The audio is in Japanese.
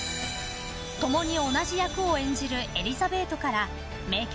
ともに同じ役を演じる「エリザベート」から名曲